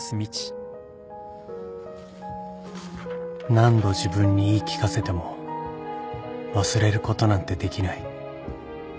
何度自分に言い聞かせても忘れることなんてできない